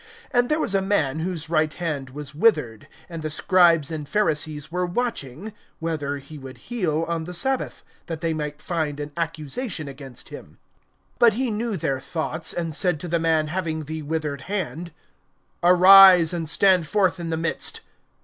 And there was a man whose right hand was withered. (7)And the scribes and Pharisees were watching, whether he would heal on the sabbath; that they might find an accusation against him. (8)But he knew their thoughts, and said to the man having the withered hand: Arise, and stand forth in the midst.